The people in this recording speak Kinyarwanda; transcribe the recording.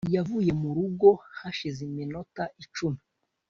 yavuye mu rugo hashize iminota icumi